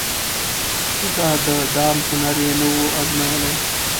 لا د دام هنر یې نه وو أزمېیلی